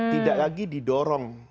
tidak lagi didorong